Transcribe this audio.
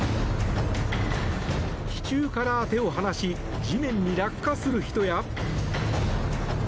市中から手を離し地面に落下する人や。